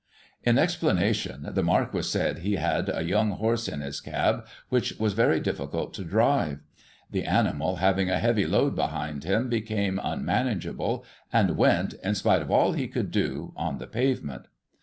In explanation, the Marquis said he had a young horse in his cab, which was very difficult to drive. The animaj, having a heavy load behind him, became immanageable, and went, in spite of all he could do, on the pavement.